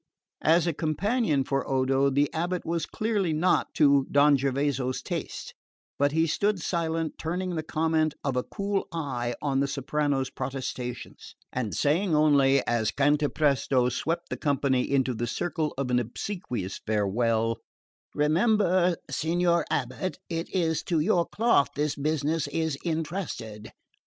As a companion for Odo the abate was clearly not to Don Gervaso's taste; but he stood silent, turning the comment of a cool eye on the soprano's protestations, and saying only, as Cantapresto swept the company into the circle of an obsequious farewell: "Remember, signor abate, it is to your cloth this business is entrusted."